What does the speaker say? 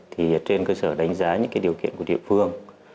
thì trên cơ sở đánh giá những điều kiện của địa phương